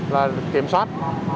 là kiểm soát